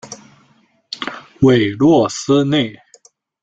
韦洛斯内。